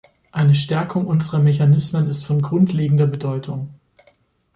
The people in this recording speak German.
Eine Stärkung unserer Mechanismen ist von grundlegender Bedeutung.